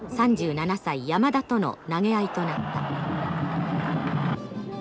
３７歳山田との投げ合いとなった。